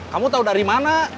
kamu tau dari mana